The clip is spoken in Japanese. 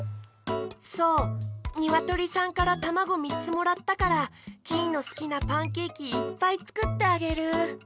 そうにわとりさんからたまごみっつもらったからキイのすきなパンケーキいっぱいつくってあげる。